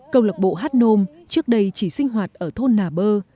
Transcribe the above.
câu lạc bộ hát nôm trước đây chỉ sinh hoạt ở thôn nà bơ